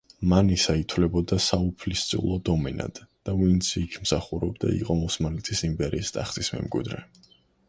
მანისა ითვლებოდა საუფლისწულო დომენად და ვინც იქ მსახურობდა იყო ოსმალეთის იმპერიის ტახტის მემკვიდრე.